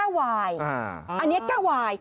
แก้ววายอันนี้แก้ววาย